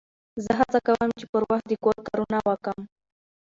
زه هڅه کوم، چي پر وخت د کور کارونه وکم.